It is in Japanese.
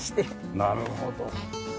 なるほど。